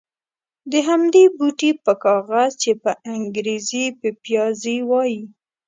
د همدې بوټي په کاغذ چې په انګرېزي پپیازي وایي.